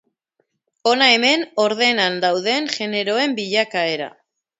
Hona hemen ordenan dauden generoen bilakaera.